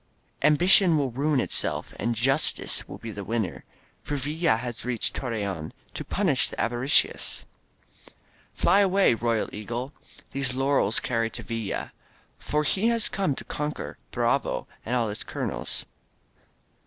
Ambition will ruin itself. And justice will be the winner. For VUla has reached Torreon To pumsh the avaricious.''^ 76 «< INSURGENT MEXICO *Fljf <nwiy. Royal Eagle, Tkete laurels carry to FtZZo, For he has come to conquer Bravo and dU his colonels.